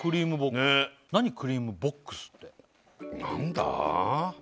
クリームボックスって何だ？